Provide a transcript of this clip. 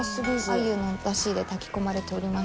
鮎のダシで炊き込まれておりまして。